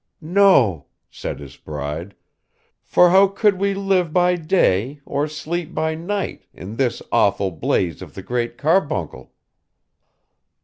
'No,' said his bride, 'for how could we live by day, or sleep by night, in this awful blaze of the Great Carbuncle!